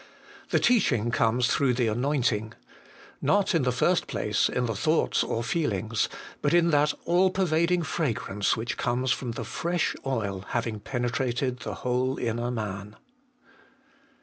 The teaching comes through the anointing. Not, in the first place, in the thoughts or feelings, but in that all pervading fragrance which comes from the fresh oil having penetrated the whole inner man.